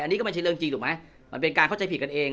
อันนี้ก็ไม่ใช่เรื่องจริงถูกไหมมันเป็นการเข้าใจผิดกันเอง